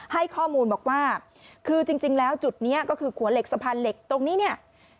ให้ข้อมูลบอกว่าคือจริงแล้วจุดนี้ก็คือขัวเหล็กสะพานเหล็กตรงนี้เนี่ย